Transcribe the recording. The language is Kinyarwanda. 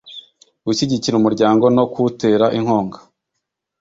Gushyigikira umuryango no kuwutera inkunga